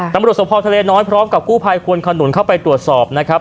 ตำรวจสภทะเลน้อยพร้อมกับกู้ภัยควนขนุนเข้าไปตรวจสอบนะครับ